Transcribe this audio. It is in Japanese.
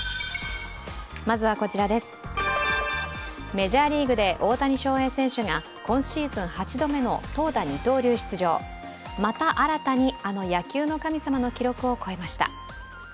メジャーリーグで大谷翔平選手が今シーズン８度目の投打二刀流出場また新たにあの野球の神様の記録を超えました。